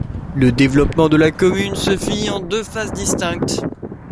Le développement de la commune se fit en deux phases distinctes.